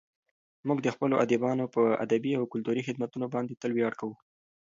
موږ د خپلو ادیبانو په ادبي او کلتوري خدمتونو باندې تل ویاړ کوو.